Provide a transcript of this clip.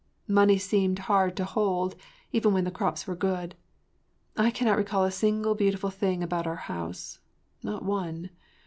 Money seemed hard to hold, even when the crops were good. I cannot recall a single beautiful thing about our house, not one.